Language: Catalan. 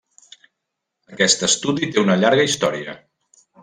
Aquest estudi té una llarga història.